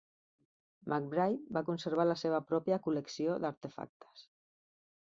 McBride va conservar la seva pròpia col·lecció d'artefactes.